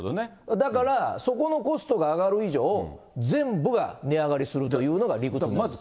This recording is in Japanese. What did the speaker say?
だから、そこのコストが上がる以上、全部が値上がりするというのが理屈なんです。